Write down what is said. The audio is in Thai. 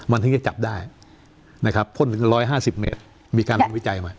มันถึงจะจับได้นะครับพ่นถึงร้อยห้าสิบเมตรมีการลงวิจัยมา